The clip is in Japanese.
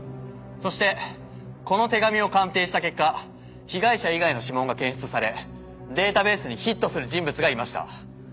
そしてこの手紙を鑑定した結果被害者以外の指紋が検出されデータベースにヒットする人物がいました。